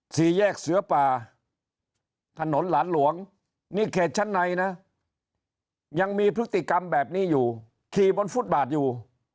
สี่แยกเสือป่าถนนหลานหลวงนี่เขตชั้นในนะยังมีพฤติกรรมแบบนี้อยู่ขี่บนฟุตบาทอยู่